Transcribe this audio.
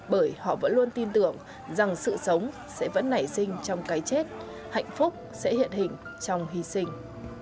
bởi họ vẫn luôn tin tưởng rằng sự sống sẽ vẫn nảy sinh trong cái chết hạnh phúc sẽ hiện hình trong hy sinh